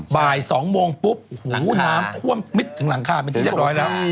บ่าย๒โมงปุ๊บน้ำท่วมมิดถึงหลังคาเป็นที่เรียบร้อยแล้ว